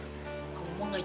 terikalah ngerok balik balik